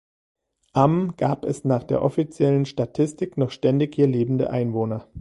Am gab es nach der offiziellen Statistik noch ständig hier lebende Einwohner.